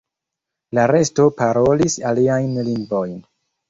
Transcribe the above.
La resto parolis aliajn lingvojn.